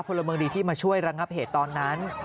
พลเมืองดีที่มาช่วยระงับเหตุตอนนั้น